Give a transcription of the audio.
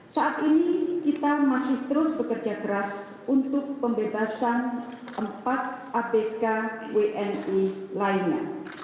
saat ini kita masih terus bekerja keras untuk pembebasan empat abk wni lainnya